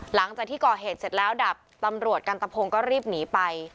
หลังจากที่ก่อเหตุเสร็จแล้วดับตำรวจกันตะพงก็รีบหนีไป